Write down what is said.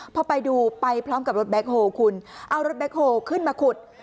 พอไปดูไปพร้อมกับรถแคคโฮคุณเอารถแบ็คโฮลขึ้นมาขุด